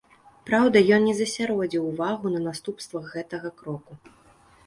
Праўда, ён не засяродзіў увагу на наступствах гэтага кроку.